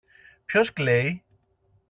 Ποιος κλαίει;